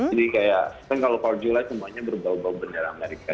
jadi kayak kan kalau kalau july semuanya berbau bau beneran amerika